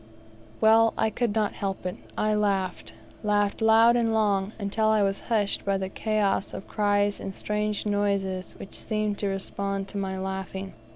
Well, I could not help it, I laughed laughed loud and long, until I was hushed by the chaos of cries and strange noises which seemed to respond to my laughing.